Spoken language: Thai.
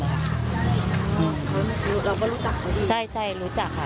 เราก็รู้จักเขาดีใช่รู้จักค่ะ